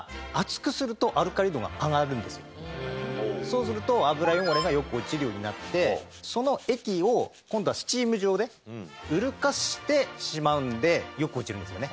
そうすると油汚れがよく落ちるようになってその液を今度はスチーム状でうるかしてしまうんでよく落ちるんですよね。